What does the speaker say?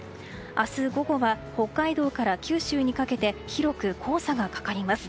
明日午後は北海道から九州にかけて広く黄砂がかかります。